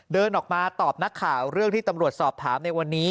เดินออกมาตอบนักข่าวเรื่องที่ตำรวจสอบถามในวันนี้